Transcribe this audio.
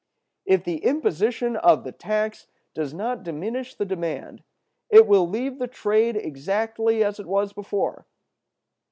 "If the imposition of the tax does not diminish the demand, it will leave the trade exactly as it was before.